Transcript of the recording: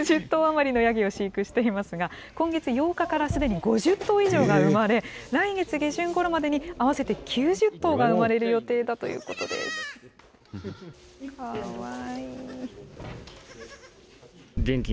１１０頭余りのヤギを飼育していますが、今月８日からすでに５０頭以上が産まれ、来月下旬ごろまでに合わせて９０頭が産まれる予定だということです。